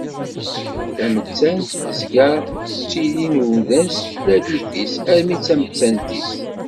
Tamettant tezga d tili n umdan seg tlalit-is, armi d tamettant-is.